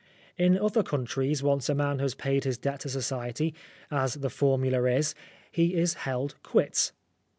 In other countries, once a man has paid his debt to Society, as the formula is, he is held quits.